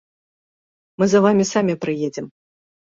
Мы за вамі самі прыедзем.